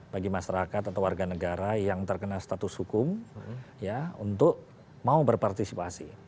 bagi masyarakat atau warga negara yang terkena status hukum untuk mau berpartisipasi